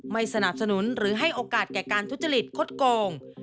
ไม่สนับสนุนหรือให้โอกาสแก่การทุจริตคดโกง